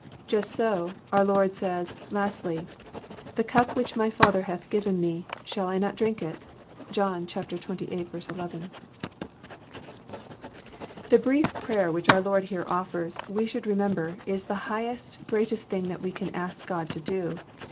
Jast so OQT Lord says, lastly, <* The cap which my Father hath given Me, shall I not drink it ?" (John xviii. 11.) The brief prayer which onr Lord here offers, we shonld remember, is the highest, greatest thincr that we can ask God to do.